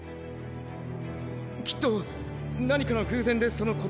きっと何かの偶然でその子供が。